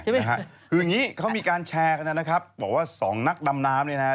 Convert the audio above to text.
คืออย่างนี้เขามีการแชร์แล้วว่า๒นักดำน้ำ